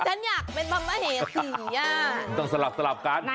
ต้องสลับตรงกัน